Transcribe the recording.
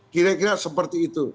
kira kira seperti itu